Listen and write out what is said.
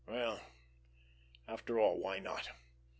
Well, after all, why not?